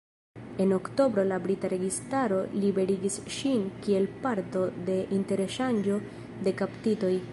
En oktobro la brita registaro liberigis ŝin kiel parto de interŝanĝo de kaptitoj.